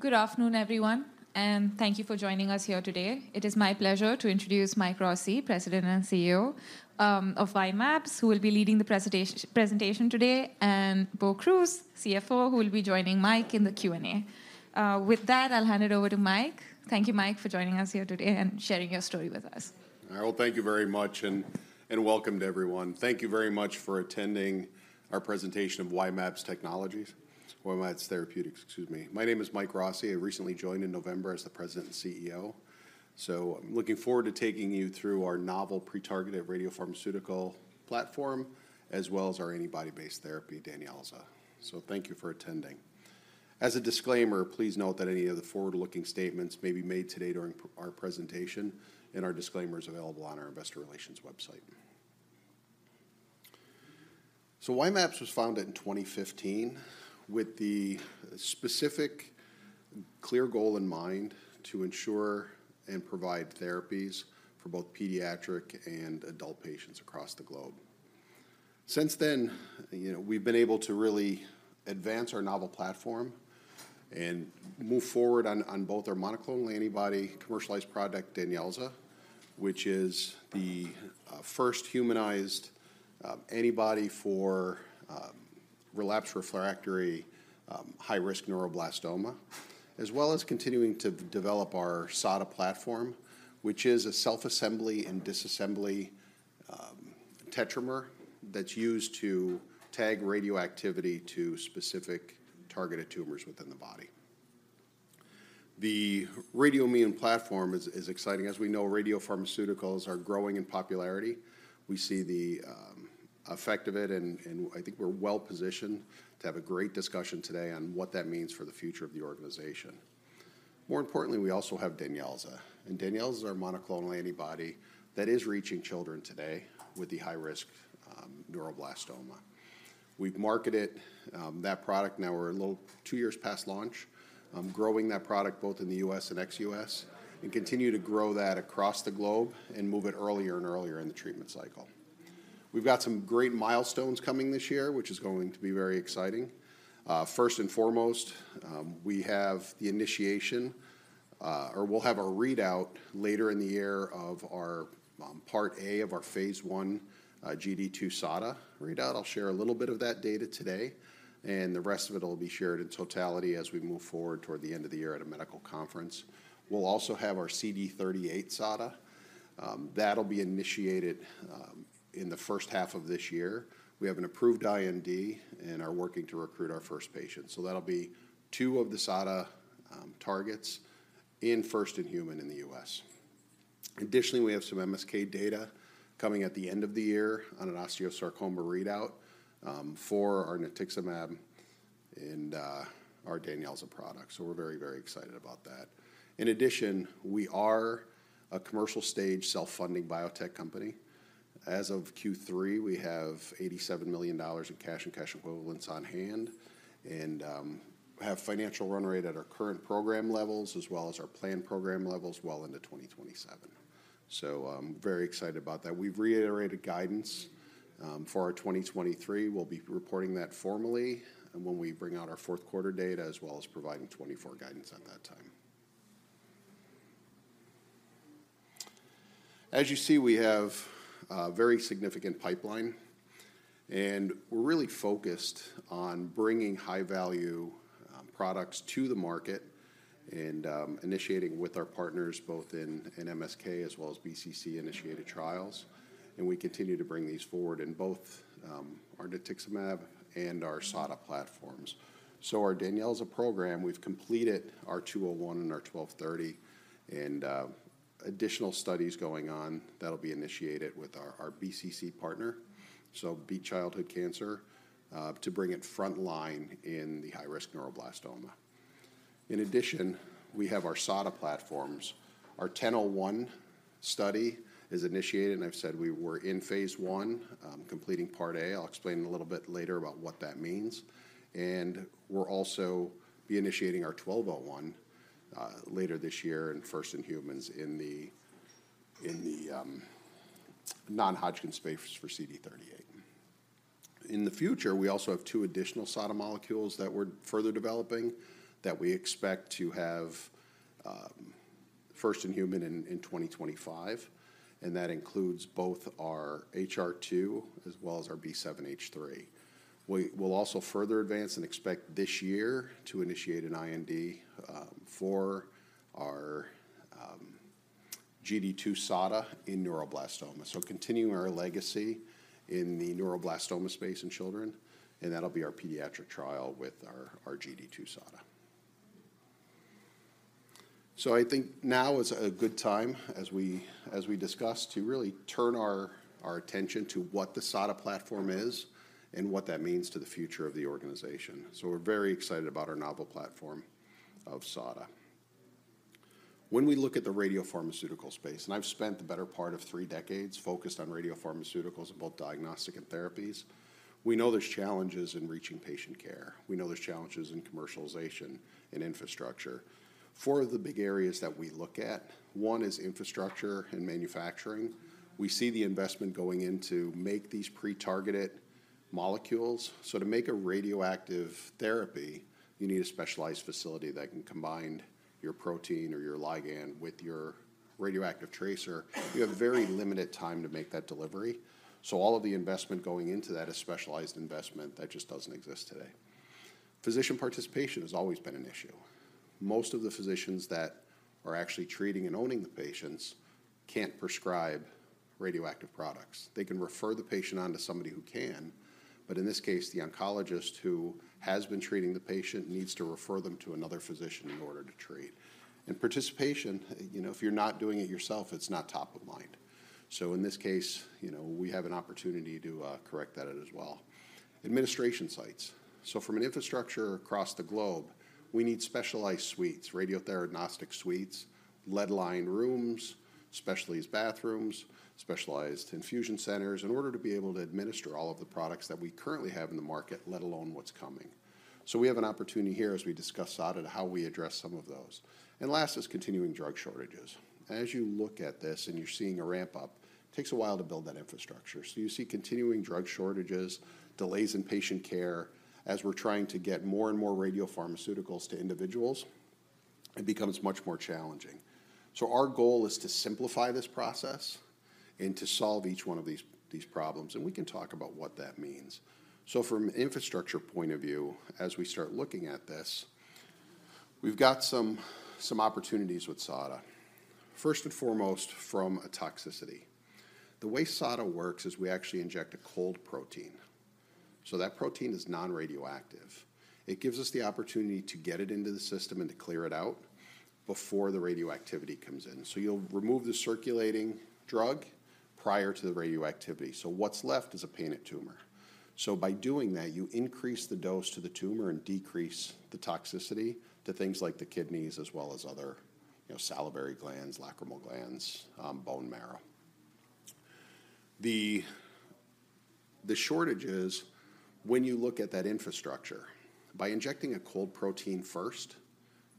Good afternoon, everyone, and thank you for joining us here today. It is my pleasure to introduce Mike Rossi, President and CEO, of Y-mAbs, who will be leading the presentation today, and Bo Kruse, CFO, who will be joining Mike in the Q&A. With that, I'll hand it over to Mike. Thank you, Mike, for joining us here today and sharing your story with us. Well, thank you very much, and welcome to everyone. Thank you very much for attending our presentation of Y-mAbs Technologies, Y-mAbs Therapeutics, excuse me. My name is Mike Rossi. I recently joined in November as the President and CEO, so I'm looking forward to taking you through our novel pre-targeted radiopharmaceutical platform, as well as our antibody-based therapy, DANYELZA. So thank you for attending. As a disclaimer, please note that any of the forward-looking statements may be made today during our presentation, and our disclaimer is available on our investor relations website. So Y-mAbs was founded in 2015, with the specific, clear goal in mind to ensure and provide therapies for both pediatric and adult patients across the globe. Since then, you know, we've been able to really advance our novel platform and move forward on both our monoclonal antibody commercialized product, DANYELZA, which is the first humanized antibody for relapsed refractory high-risk neuroblastoma, as well as continuing to develop our SADA platform, which is a self-assembly and disassembly tetramer that's used to tag radioactivity to specific targeted tumors within the body. The radioimmun platform is exciting. As we know, radiopharmaceuticals are growing in popularity. We see the effect of it, and I think we're well-positioned to have a great discussion today on what that means for the future of the organization. More importantly, we also have DANYELZA, and DANYELZA is our monoclonal antibody that is reaching children today with the high-risk neuroblastoma. We've marketed that product. Now we're a little 2 years past launch, growing that product both in the U.S. and ex-U.S., and continue to grow that across the globe and move it earlier and earlier in the treatment cycle. We've got some great milestones coming this year, which is going to be very exciting. First and foremost, we have the initiation, or we'll have a readout later in the year of our Part A of our Phase 1 GD2-SADA readout. I'll share a little bit of that data today, and the rest of it will be shared in totality as we move forward toward the end of the year at a medical conference. We'll also have our CD38-SADA. That'll be initiated in the first half of this year. We have an approved IND and are working to recruit our first patient, so that'll be two of the SADA targets in first-in-human in the U.S. Additionally, we have some MSK data coming at the end of the year on an osteosarcoma readout for our naxitamab and our DANYELZA product, so we're very, very excited about that. In addition, we are a commercial-stage, self-funding biotech company. As of Q3, we have $87 million in cash and cash equivalents on hand and have financial run rate at our current program levels, as well as our planned program levels well into 2027. So I'm very excited about that. We've reiterated guidance for our 2023. We'll be reporting that formally, and when we bring out our fourth quarter data, as well as providing 2024 guidance at that time. As you see, we have a very significant pipeline, and we're really focused on bringing high-value products to the market and initiating with our partners, both in MSK as well as BCC-initiated trials. We continue to bring these forward in both our naxitamab and our SADA platforms. So our DANYELZA program, we've completed our 201 and our 1230, and additional studies going on that'll be initiated with our BCC partner, so Beat Childhood Cancer, to bring it front line in the high-risk neuroblastoma. In addition, we have our SADA platforms. Our 1001 study is initiated, and I've said we were in phase 1, completing Part A. I'll explain a little bit later about what that means. We'll also be initiating our 1201 later this year in first-in-human in the non-Hodgkin's space for CD38. In the future, we also have two additional SADA molecules that we're further developing that we expect to have first-in-human in 2025, and that includes both our HER2 as well as our B7-H3. We will also further advance and expect this year to initiate an IND for our GD2 SADA in neuroblastoma. Continuing our legacy in the neuroblastoma space in children, and that'll be our pediatric trial with our GD2 SADA. I think now is a good time, as we discuss, to really turn our attention to what the SADA platform is and what that means to the future of the organization. So we're very excited about our novel platform of SADA. When we look at the radiopharmaceutical space, and I've spent the better part of three decades focused on radiopharmaceuticals in both diagnostic and therapies, we know there's challenges in reaching patient care. We know there's challenges in commercialization and infrastructure. Four of the big areas that we look at, one is infrastructure and manufacturing. We see the investment going in to make these pre-targeted molecules. So to make a radioactive therapy, you need a specialized facility that can combine your protein or your ligand with your radioactive tracer. You have very limited time to make that delivery, so all of the investment going into that is specialized investment that just doesn't exist today. Physician participation has always been an issue. Most of the physicians that are actually treating and owning the patients can't prescribe radioactive products. They can refer the patient on to somebody who can, but in this case, the oncologist who has been treating the patient needs to refer them to another physician in order to treat. And participation, you know, if you're not doing it yourself, it's not top of mind. So in this case, you know, we have an opportunity to correct that as well. Administration sites. So from an infrastructure across the globe, we need specialized suites, radiotheranostic suites, lead-lined rooms, specialized bathrooms, specialized infusion centers, in order to be able to administer all of the products that we currently have in the market, let alone what's coming. So we have an opportunity here, as we discuss SADA, how we address some of those. And last is continuing drug shortages. As you look at this and you're seeing a ramp-up, it takes a while to build that infrastructure. So you see continuing drug shortages, delays in patient care. As we're trying to get more and more radiopharmaceuticals to individuals, it becomes much more challenging. So our goal is to simplify this process and to solve each one of these problems, and we can talk about what that means. So from an infrastructure point of view, as we start looking at this, we've got some opportunities with SADA. First and foremost, from a toxicity. The way SADA works is we actually inject a cold protein, so that protein is non-radioactive. It gives us the opportunity to get it into the system and to clear it out before the radioactivity comes in. So you'll remove the circulating drug prior to the radioactivity, so what's left is a painted tumor. So by doing that, you increase the dose to the tumor and decrease the toxicity to things like the kidneys, as well as other, you know, salivary glands, lacrimal glands, bone marrow. The shortages, when you look at that infrastructure, by injecting a cold protein first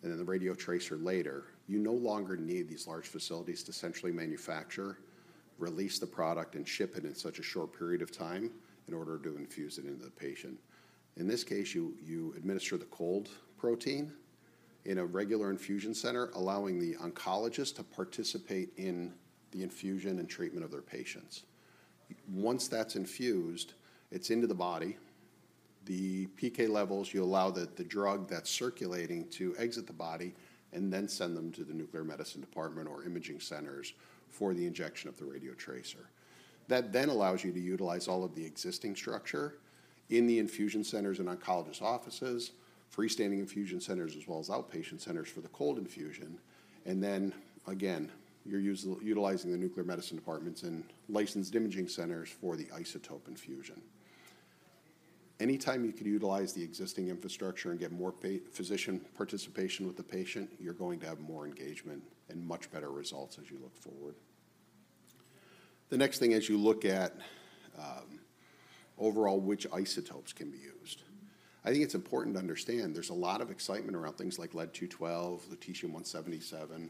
and then the radiotracer later, you no longer need these large facilities to centrally manufacture, release the product, and ship it in such a short period of time in order to infuse it into the patient. In this case, you administer the cold protein in a regular infusion center, allowing the oncologist to participate in the infusion and treatment of their patients. Once that's infused, it's into the body. The PK levels, you allow the drug that's circulating to exit the body and then send them to the nuclear medicine department or imaging centers for the injection of the radiotracer. That then allows you to utilize all of the existing structure in the infusion centers and oncologist offices, freestanding infusion centers, as well as outpatient centers for the cold infusion. And then, again, you're utilizing the nuclear medicine departments and licensed imaging centers for the isotope infusion. Anytime you can utilize the existing infrastructure and get more physician participation with the patient, you're going to have more engagement and much better results as you look forward. The next thing as you look at, overall, which isotopes can be used. I think it's important to understand there's a lot of excitement around things like Lead-212, Lutetium-177,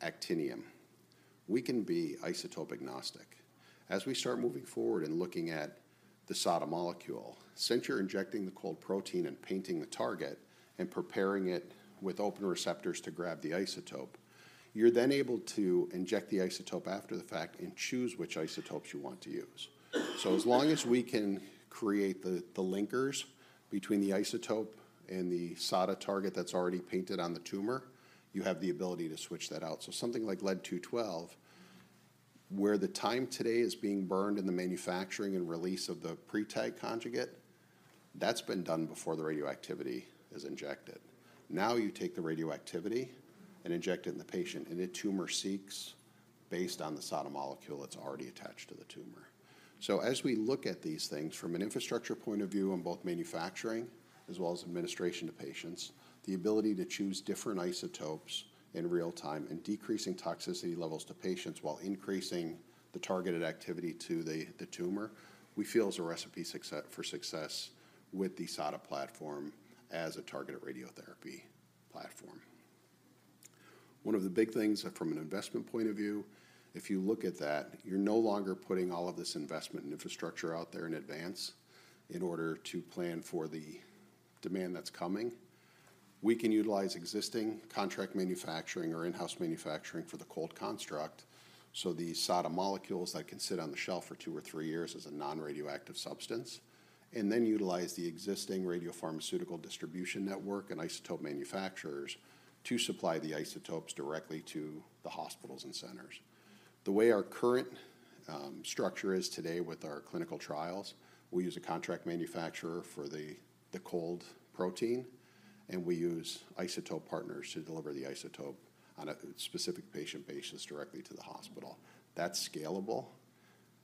Actinium. We can be isotope-agnostic. As we start moving forward and looking at the SADA molecule, since you're injecting the cold protein and painting the target and preparing it with open receptors to grab the isotope, you're then able to inject the isotope after the fact and choose which isotopes you want to use. So as long as we can create the linkers between the isotope and the SADA target that's already painted on the tumor, you have the ability to switch that out. So something like Lead-212, where the time today is being burned in the manufacturing and release of the pre-targeted conjugate, that's been done before the radioactivity is injected. Now, you take the radioactivity and inject it in the patient, and the tumor seeks based on the SADA molecule that's already attached to the tumor. So as we look at these things from an infrastructure point of view on both manufacturing as well as administration to patients, the ability to choose different isotopes in real time and decreasing toxicity levels to patients while increasing the targeted activity to the, the tumor, we feel is a recipe success- for success with the SADA platform as a targeted radiotherapy platform. One of the big things from an investment point of view, if you look at that, you're no longer putting all of this investment in infrastructure out there in advance in order to plan for the demand that's coming. We can utilize existing contract manufacturing or in-house manufacturing for the cold construct, so the SADA molecules that can sit on the shelf for two or three years as a non-radioactive substance, and then utilize the existing radiopharmaceutical distribution network and isotope manufacturers to supply the isotopes directly to the hospitals and centers. The way our current structure is today with our clinical trials, we use a contract manufacturer for the cold protein, and we use isotope partners to deliver the isotope on a specific patient basis directly to the hospital. That's scalable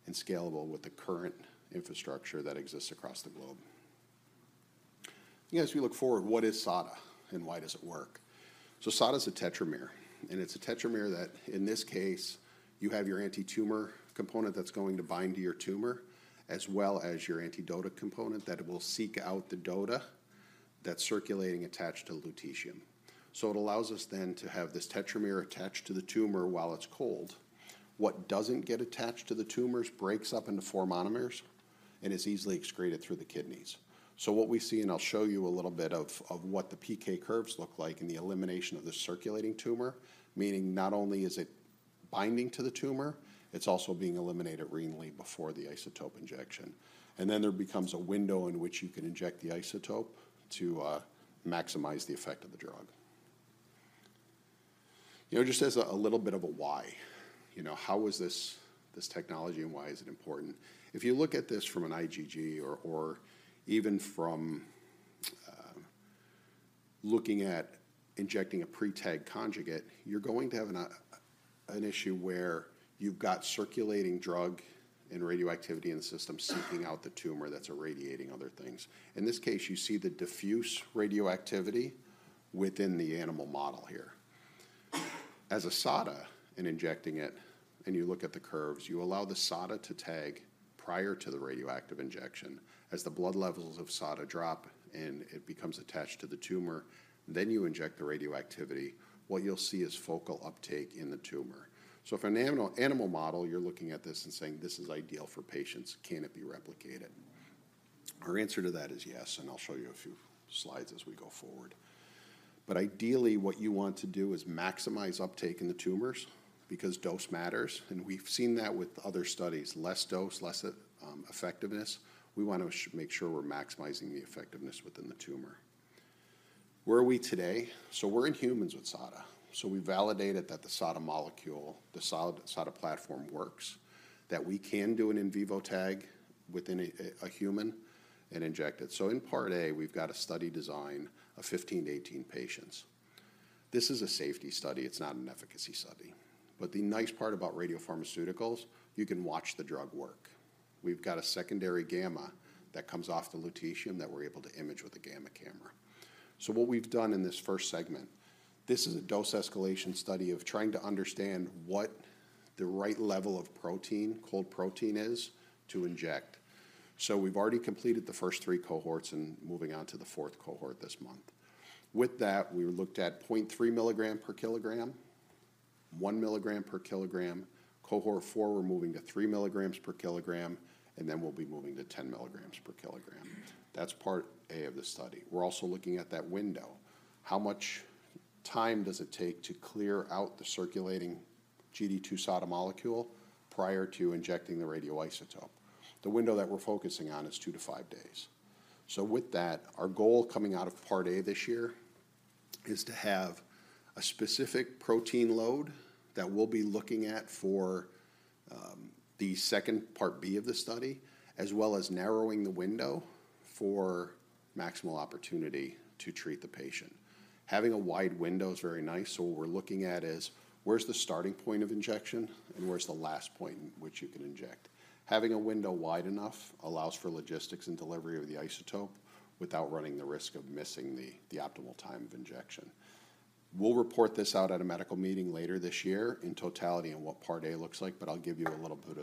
and scalable with the current infrastructure that exists across the globe. As we look forward, what is SADA and why does it work? So SADA is a tetramer, and it's a tetramer that, in this case, you have your anti-tumor component that's going to bind to your tumor, as well as your anti-DOTA component, that it will seek out the DOTA ... that's circulating attached to lutetium. So it allows us then to have this tetramer attached to the tumor while it's cold. What doesn't get attached to the tumors breaks up into four monomers and is easily excreted through the kidneys. So what we see, and I'll show you a little bit of what the PK curves look like in the elimination of the circulating tumor, meaning not only is it binding to the tumor, it's also being eliminated renally before the isotope injection. And then there becomes a window in which you can inject the isotope to maximize the effect of the drug. You know, just as a little bit of a why, you know, how is this this technology, and why is it important? If you look at this from an IgG or or even from looking at injecting a pre-tagged conjugate, you're going to have an issue where you've got circulating drug and radioactivity in the system seeking out the tumor that's irradiating other things. In this case, you see the diffuse radioactivity within the animal model here. As a SADA, in injecting it, and you look at the curves, you allow the SADA to tag prior to the radioactive injection. As the blood levels of SADA drop and it becomes attached to the tumor, then you inject the radioactivity, what you'll see is focal uptake in the tumor. So from an animal model, you're looking at this and saying, "This is ideal for patients. Can it be replicated?" Our answer to that is yes, and I'll show you a few slides as we go forward. But ideally, what you want to do is maximize uptake in the tumors because dose matters, and we've seen that with other studies. Less dose, less effectiveness. We want to make sure we're maximizing the effectiveness within the tumor. Where are we today? So we're in humans with SADA. So we validated that the SADA molecule, the SADA platform works, that we can do an in vivo tag within a human and inject it. So in Part A, we've got a study design of 15-18 patients. This is a safety study. It's not an efficacy study. But the nice part about radiopharmaceuticals, you can watch the drug work. We've got a secondary gamma that comes off the Lutetium that we're able to image with a gamma camera. So what we've done in this first segment, this is a dose escalation study of trying to understand what the right level of protein, cold protein is, to inject. So we've already completed the first three cohorts and moving on to the fourth cohort this month. With that, we looked at 0.3 mg/kg, 1 mg/kg. Cohort 4, we're moving to 3 mg/kg, and then we'll be moving to 10 mg/kg. That's part A of the study. We're also looking at that window. How much time does it take to clear out the circulating GD2-SADA molecule prior to injecting the radioisotope? The window that we're focusing on is 2-5 days. So with that, our goal coming out of Part A this year is to have a specific protein load that we'll be looking at for the second part B of the study, as well as narrowing the window for maximal opportunity to treat the patient. Having a wide window is very nice, so what we're looking at is: where's the starting point of injection, and where's the last point in which you can inject? Having a window wide enough allows for logistics and delivery of the isotope without running the risk of missing the optimal time of injection. We'll report this out at a medical meeting later this year in totality on what Part A looks like, but I'll give you a little bit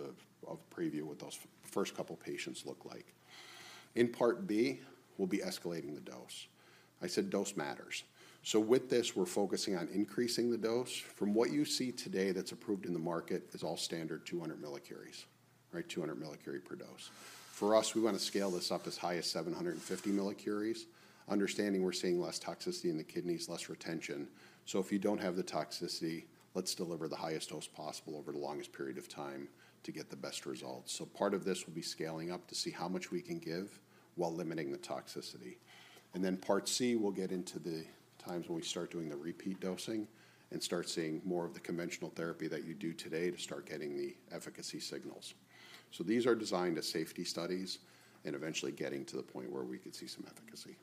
of preview what those first couple patients look like. In Part B, we'll be escalating the dose. I said dose matters. So with this, we're focusing on increasing the dose. From what you see today that's approved in the market is all standard 200 millicuries, right? 200 millicurie per dose. For us, we want to scale this up as high as 750 millicuries, understanding we're seeing less toxicity in the kidneys, less retention. So if you don't have the toxicity, let's deliver the highest dose possible over the longest period of time to get the best results. So part of this will be scaling up to see how much we can give while limiting the toxicity. And then Part C, we'll get into the times when we start doing the repeat dosing and start seeing more of the conventional therapy that you do today to start getting the efficacy signals. So these are designed as safety studies and eventually getting to the point where we could see some efficacy.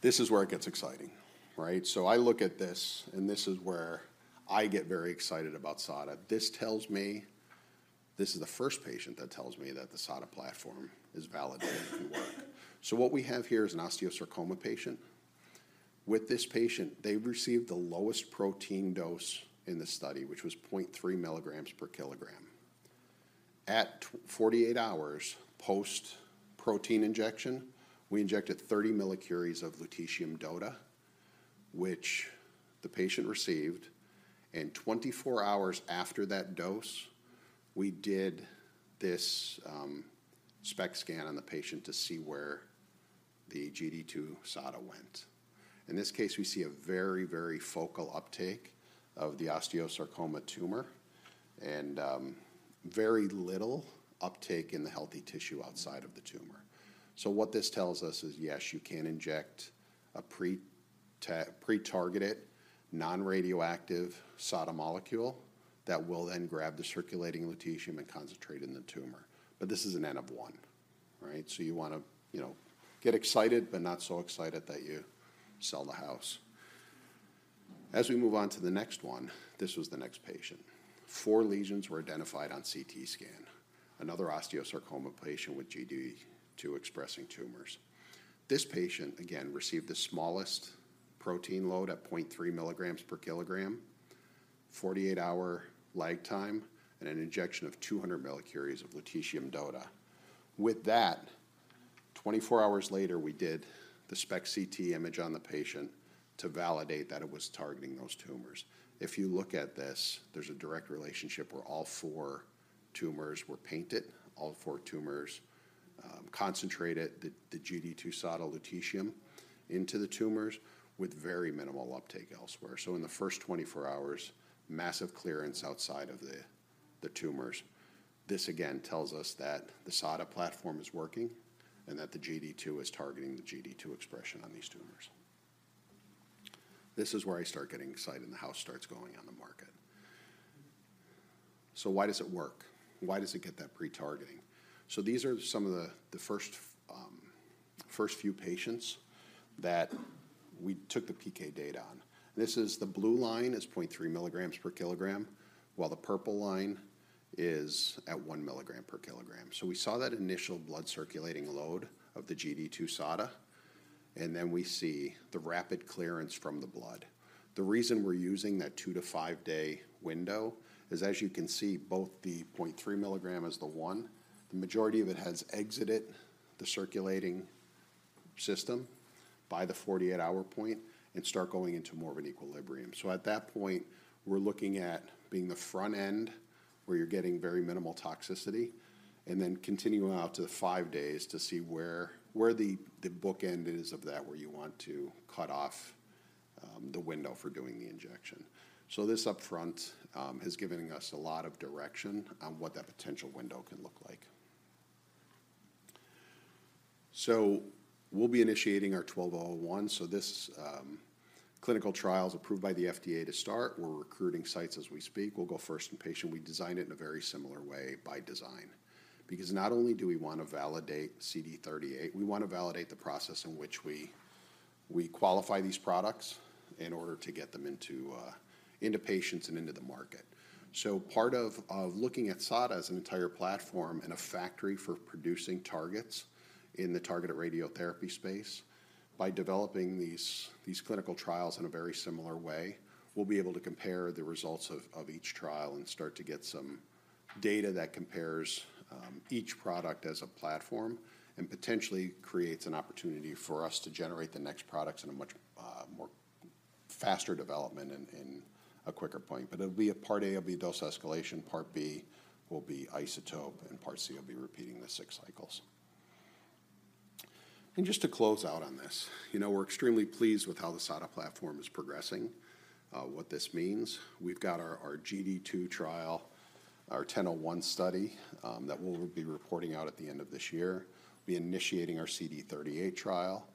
This is where it gets exciting, right? So I look at this, and this is where I get very excited about SADA. This tells me. This is the first patient that tells me that the SADA platform is valid and can work. So what we have here is an osteosarcoma patient. With this patient, they received the lowest protein dose in the study, which was 0.3 milligrams per kilogram. At 48 hours post-protein injection, we injected 30 millicuries of lutetium DOTA, which the patient received, and 24 hours after that dose, we did this SPECT scan on the patient to see where the GD2 SADA went. In this case, we see a very, very focal uptake of the osteosarcoma tumor and very little uptake in the healthy tissue outside of the tumor. So what this tells us is, yes, you can inject a pre-targeted, non-radioactive SADA molecule that will then grab the circulating lutetium and concentrate in the tumor. But this is an N of one, right? So you wanna, you know, get excited, but not so excited that you sell the house. As we move on to the next one, this was the next patient. Four lesions were identified on CT scan, another osteosarcoma patient with GD2-expressing tumors. This patient, again, received the smallest protein load at 0.3 milligrams per kilogram, 48-hour lag time and an injection of 200 millicuries of lutetium DOTA. With that, 24 hours later, we did the SPECT CT image on the patient to validate that it was targeting those tumors. If you look at this, there's a direct relationship where all 4 tumors were painted. All 4 tumors concentrated the GD2-SADA lutetium into the tumors with very minimal uptake elsewhere. So in the first 24 hours, massive clearance outside of the tumors. This again tells us that the SADA platform is working and that the GD2 is targeting the GD2 expression on these tumors. This is where I start getting excited, and the house starts going on the market. So why does it work? Why does it get that pre-targeting? So these are some of the first few patients that we took the PK data on. This is the blue line, is 0.3 milligrams per kilogram, while the purple line is at 1 milligram per kilogram. So we saw that initial blood circulating load of the GD2-SADA, and then we see the rapid clearance from the blood. The reason we're using that 2-5-day window is, as you can see, both the 0.3 milligram as the 1, the majority of it has exited the circulating system by the 48-hour point and start going into more of an equilibrium. So at that point, we're looking at being the front end, where you're getting very minimal toxicity, and then continuing out to 5 days to see where the bookend is of that, where you want to cut off the window for doing the injection. So this upfront has given us a lot of direction on what that potential window can look like. We'll be initiating our 1201. This clinical trial is approved by the FDA to start. We're recruiting sites as we speak. We'll go first in patient. We designed it in a very similar way by design. Because not only do we want to validate CD38, we want to validate the process in which we qualify these products in order to get them into patients and into the market. So part of looking at SADA as an entire platform and a factory for producing targets in the targeted radiotherapy space, by developing these clinical trials in a very similar way, we'll be able to compare the results of each trial and start to get some data that compares each product as a platform and potentially creates an opportunity for us to generate the next products in a much more faster development and a quicker point. But it'll be a part A will be dose escalation, part B will be isotope, and part C will be repeating the six cycles. And just to close out on this, you know, we're extremely pleased with how the SADA platform is progressing. What this means, we've got our GD2 trial, our 101 study, that we'll be reporting out at the end of this year. We'll be initiating our CD38 trial.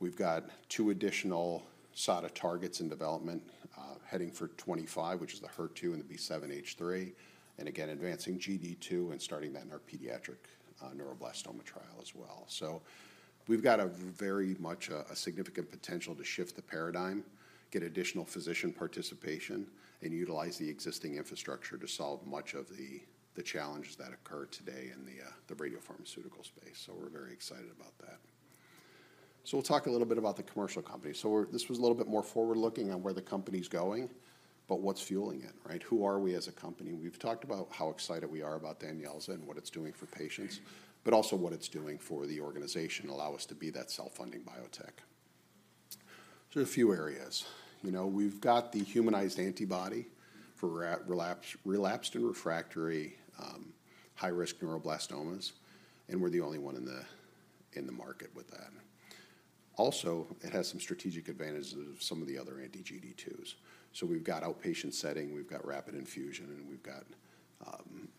We've got two additional SADA targets in development, heading for 2025, which is the HER2 and the B7-H3, and again, advancing GD2 and starting that in our pediatric neuroblastoma trial as well. So we've got a very much a significant potential to shift the paradigm, get additional physician participation, and utilize the existing infrastructure to solve much of the challenges that occur today in the radiopharmaceutical space. So we're very excited about that. So we'll talk a little bit about the commercial company. So we're, this was a little bit more forward-looking on where the company's going, but what's fueling it, right? Who are we as a company? We've talked about how excited we are about DANYELZA and what it's doing for patients, but also what it's doing for the organization, allow us to be that self-funding biotech. So a few areas. You know, we've got the humanized antibody for relapse, relapsed and refractory, high-risk neuroblastomas, and we're the only one in the market with that. Also, it has some strategic advantages of some of the other anti-GD2s. So we've got outpatient setting, we've got rapid infusion, and we've got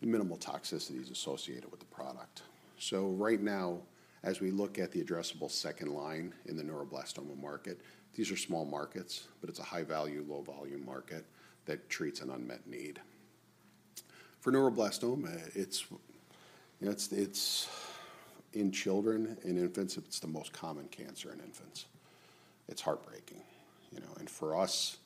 minimal toxicities associated with the product. So right now, as we look at the addressable second line in the neuroblastoma market, these are small markets, but it's a high-value, low-volume market that treats an unmet need. For neuroblastoma, it's, you know, it's in children, in infants, it's the most common cancer in infants. It's heartbreaking, you know, and for us,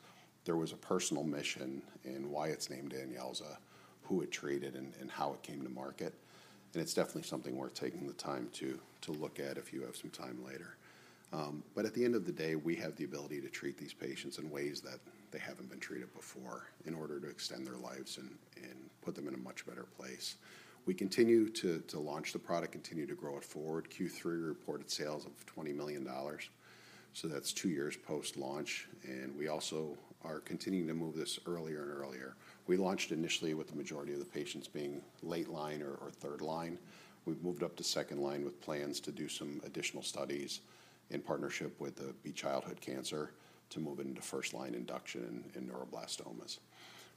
there was a personal mission in why it's named DANYELZA, who it treated, and how it came to market, and it's definitely something worth taking the time to look at if you have some time later. But at the end of the day, we have the ability to treat these patients in ways that they haven't been treated before in order to extend their lives and put them in a much better place. We continue to launch the product, continue to grow it forward. Q3 reported sales of $20 million, so that's two years post-launch, and we also are continuing to move this earlier and earlier. We launched initially with the majority of the patients being late line or third line. We've moved up to second-line with plans to do some additional studies in partnership with Beat Childhood Cancer to move it into first-line induction in neuroblastomas.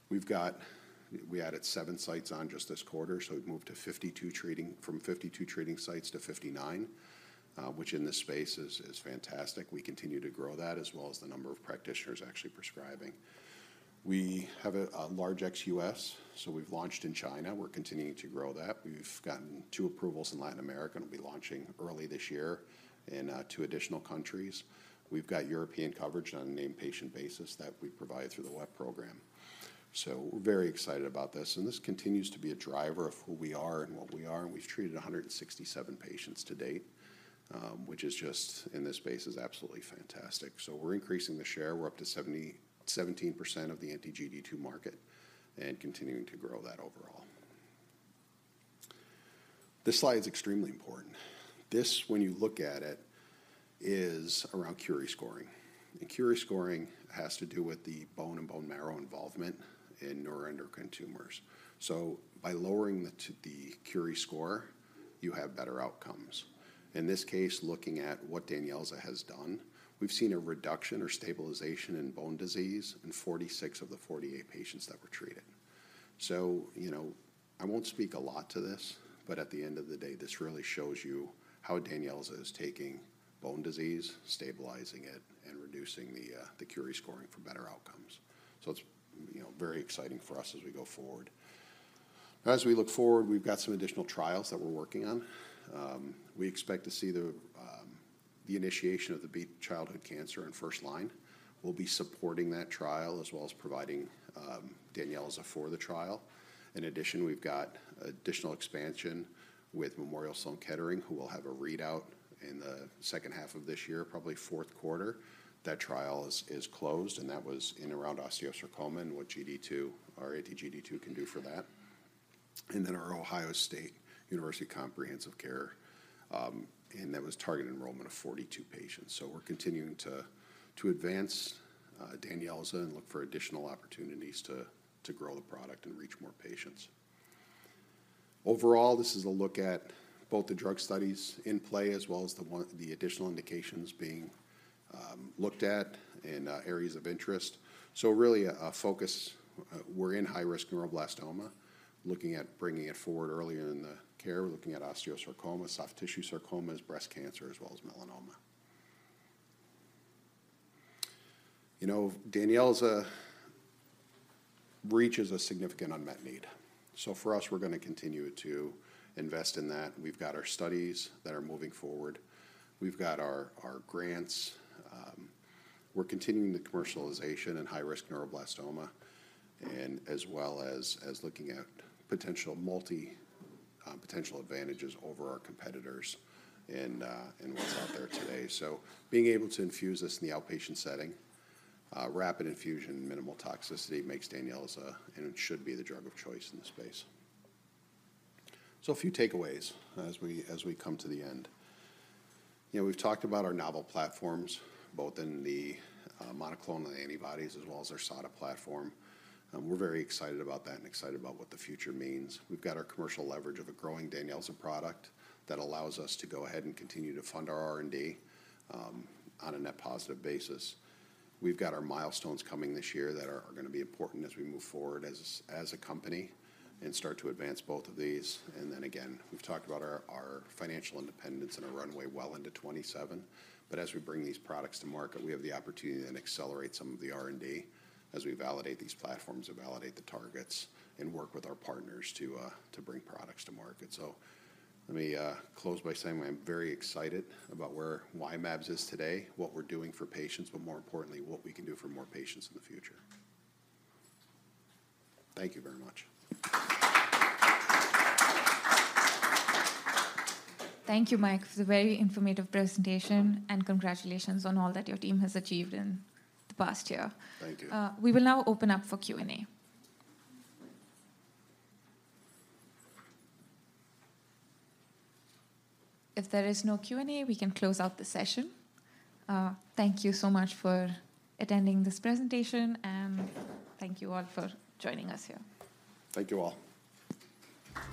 We've got—we added 7 sites on just this quarter, so we've moved to 52 treating—from 52 treating sites to 59, which in this space is fantastic. We continue to grow that, as well as the number of practitioners actually prescribing. We have a large ex-U.S., so we've launched in China. We're continuing to grow that. We've gotten 2 approvals in Latin America, and we'll be launching early this year in 2 additional countries. We've got European coverage on a named patient basis that we provide through the WEP program. So we're very excited about this, and this continues to be a driver of who we are and what we are, and we've treated 167 patients to date, which is just, in this space, is absolutely fantastic. So we're increasing the share. We're up to 17% of the anti-GD2 market and continuing to grow that overall.... This slide is extremely important. This, when you look at it, is around Curie scoring. Curie scoring has to do with the bone and bone marrow involvement in neuroendocrine tumors. So by lowering the Curie score, you have better outcomes. In this case, looking at what DANYELZA has done, we've seen a reduction or stabilization in bone disease in 46 of the 48 patients that were treated. So, you know, I won't speak a lot to this, but at the end of the day, this really shows you how DANYELZA is taking bone disease, stabilizing it, and reducing the Curie scoring for better outcomes. So it's, you know, very exciting for us as we go forward. As we look forward, we've got some additional trials that we're working on. We expect to see the initiation of the Beat Childhood Cancer in first line. We'll be supporting that trial, as well as providing DANYELZA for the trial. In addition, we've got additional expansion with Memorial Sloan Kettering, who will have a readout in the second half of this year, probably fourth quarter. That trial is closed, and that was in around osteosarcoma and what GD2, our anti-GD2 can do for that. And then our Ohio State University Comprehensive Cancer Center, and that was target enrollment of 42 patients. So we're continuing to advance DANYELZA and look for additional opportunities to grow the product and reach more patients. Overall, this is a look at both the drug studies in play, as well as the additional indications being looked at in areas of interest. So really a focus, we're in high-risk neuroblastoma, looking at bringing it forward earlier in the care. We're looking at osteosarcoma, soft tissue sarcomas, breast cancer, as well as melanoma. You know, DANYELZA reaches a significant unmet need. So for us, we're gonna continue to invest in that. We've got our studies that are moving forward. We've got our grants. We're continuing the commercialization in high-risk neuroblastoma, and as well as looking at potential advantages over our competitors and what's out there today. So being able to infuse this in the outpatient setting, rapid infusion, minimal toxicity makes DANYELZA, and it should be the drug of choice in this space. So a few takeaways as we come to the end. You know, we've talked about our novel platforms, both in the monoclonal antibodies as well as our SADA platform. We're very excited about that and excited about what the future means. We've got our commercial leverage of a growing DANYELZA product that allows us to go ahead and continue to fund our R&D on a net positive basis. We've got our milestones coming this year that are gonna be important as we move forward as a company and start to advance both of these. And then again, we've talked about our financial independence and our runway well into 2027. But as we bring these products to market, we have the opportunity to then accelerate some of the R&D as we validate these platforms and validate the targets and work with our partners to bring products to market. So let me close by saying I'm very excited about where Y-mAbs is today, what we're doing for patients, but more importantly, what we can do for more patients in the future. Thank you very much. Thank you, Mike, for the very informative presentation, and congratulations on all that your team has achieved in the past year. Thank you. We will now open up for Q&A. If there is no Q&A, we can close out the session. Thank you so much for attending this presentation, and thank you all for joining us here. Thank you all.